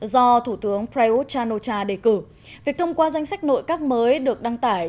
do thủ tướng prayuth chan o cha đề cử việc thông qua danh sách nội các mới được đăng tải